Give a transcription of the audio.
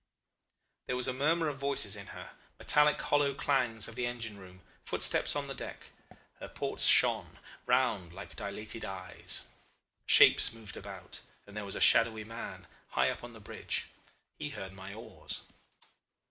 "There was a murmur of voices in her, metallic hollow clangs of the engine room, footsteps on the deck. Her ports shone, round like dilated eyes. Shapes moved about, and there was a shadowy man high up on the bridge. He heard my oars.